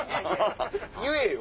言えよ。